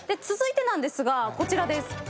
続いてなんですがこちらです。